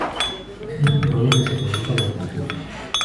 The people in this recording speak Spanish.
Es el último año que se presentan al concurso.